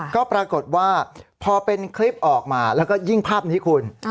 ก็ปรากฏว่าพอเป็นคลิปออกมาแล้วก็ยิ่งภาพนี้คุณ